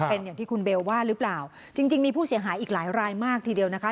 เป็นอย่างที่คุณเบลว่าหรือเปล่าจริงจริงมีผู้เสียหายอีกหลายรายมากทีเดียวนะคะ